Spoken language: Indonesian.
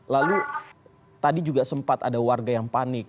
lalu tadi juga sempat ada warga yang panik